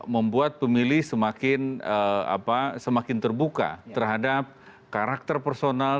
membuat pemilih semakin terbuka terhadap karakter personal